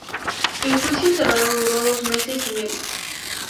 El juicio cerrado duró dos meses y medio.